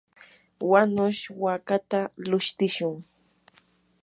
wanush wakata lushtishun.